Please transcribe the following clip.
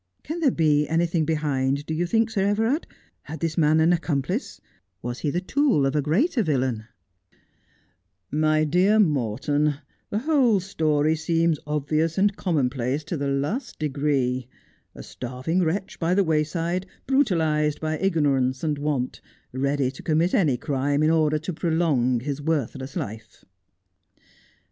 Can there be anything behind, do you think, Sir Everard 1 Had this man an accomplice 1 Was he the tool of a greater villain 1 '' My dear Morton, the whole story seems obvious and common place to the last degree — a starving wretch by the wayside brutalized by ignorance and want — ready to commit any crime in order to prolong his worthless life.'